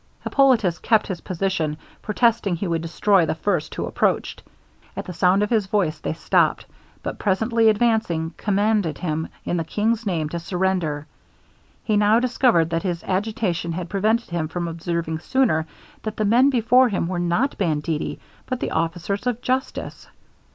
Hippolitus kept his position, protesting he would destroy the first who approached. At the sound of his voice they stopped; but presently advancing, commanded him in the king's name to surrender. He now discovered what his agitation had prevented him from observing sooner, that the men before him were not banditti, but the officers of justice.